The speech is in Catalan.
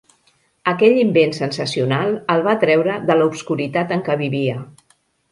Aquell invent sensacional el va treure de l'obscuritat en què vivia.